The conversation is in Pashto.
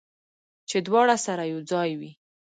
چې دواړه سره یو ځای وي